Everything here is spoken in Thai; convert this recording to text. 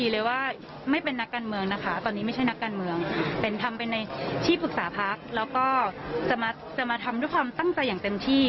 เลยว่าจะมาทำด้วยความตั้งใจอย่างเต็มที่